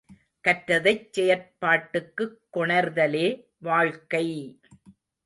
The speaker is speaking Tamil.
கற்றதைச் செயற்பாட்டுக்குக் கொணர்தலே வாழ்க்கை!